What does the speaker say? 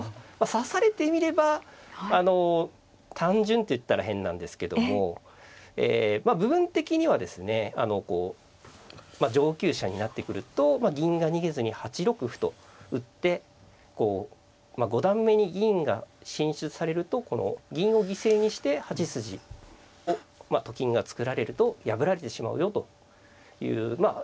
指されてみればあの単純と言ったら変なんですけども部分的にはですねこう上級者になってくるとまあ銀が逃げずに８六歩と打ってこう五段目に銀が進出されるとこの銀を犠牲にして８筋をと金が作られると破られてしまうよというまあ